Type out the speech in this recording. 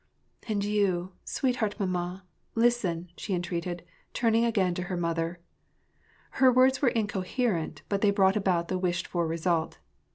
and you, sweetheart mamma,* listen," she entreated, turning again to her mother. Her words were incoherent ; but they brought about the wished f or result.